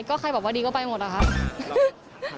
ก็ใครแบบว่าดีก็ไปหมดแล้วค่ะ